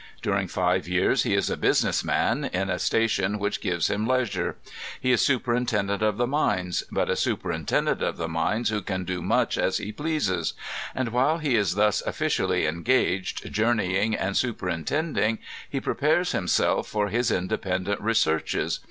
During five years he is a business man, in a station which gives him leisure. He is Superintendent of the Mines, but a Superintendent of the Mines who can do much as he pleases; and while he is thus officially engaged journeying and superintending, he prepares himself for his independent researches.